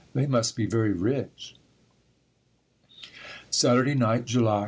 They must be very rich. _Saturday Night, July.